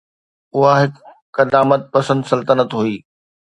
اها هڪ قدامت پسند سلطنت هئي.